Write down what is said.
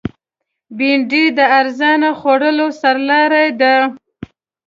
بېنډۍ د ارزانه خوړو سرلاری ده